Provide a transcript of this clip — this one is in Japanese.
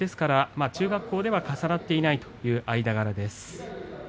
中学校では重なっていないという間柄です。